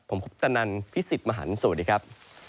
ผมคุปตนันพี่สิทธิ์มหันฯสวัสดีครับ